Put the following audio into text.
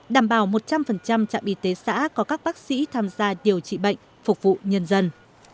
đảm bảo một trăm linh trạm y tế xã có các bác sĩ tham gia điều trị bệnh phục vụ nhân dân